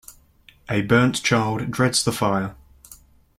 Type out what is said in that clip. A burnt child dreads the fire.